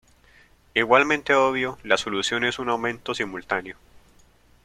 Igualmente obvio, la solución es un aumento simultáneo.